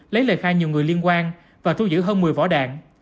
lấy lời khai nhiều người liên quan và thu giữ hơn một mươi vỏ đạn